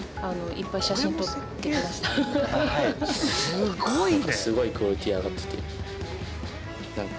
すごいね。